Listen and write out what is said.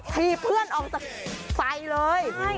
ถีบเพื่อนออกจากไฟเลย